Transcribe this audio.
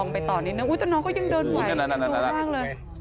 ไปต่อนิดแล้วน้องก็ยังเดินไหวดูลงล่างเลย